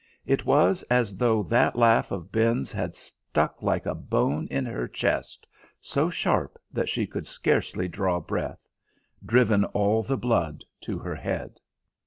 It was as though that laugh of Ben's had stuck like a bone in her chest, so sharp that she could scarcely draw breath; driven all the blood to her head.